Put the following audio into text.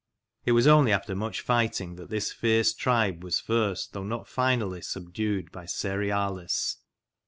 It was only after much fighting that this fierce tribe was first, though not finally, subdued by Cerealis.